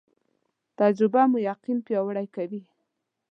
تجربه مو یقین پیاوړی کوي